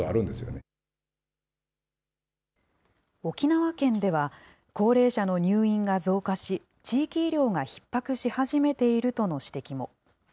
沖縄県では、高齢者の入院が増加し、地域医療がひっ迫し始めているとの指摘も。